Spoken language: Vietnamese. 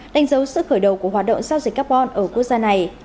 đánh dấu sự khởi đầu của hoạt động giao dịch carbon ở quốc gia này